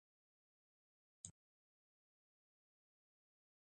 Imaynallapas kakullaymancha.